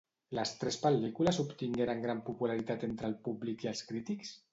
Les tres pel·lícules obtingueren gran popularitat entre el públic i els crítics?